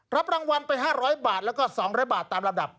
รับรางวัลไป๕๐๐บาทแล้วก็๒๐๐บาทตามลำดับ